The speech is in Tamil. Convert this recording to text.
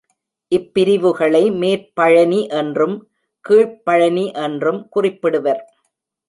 இப்பிரிவுகளை மேற்பழனி என்றும் கீழ்ப்பழனி என்றும் குறிப்பிடுவர்.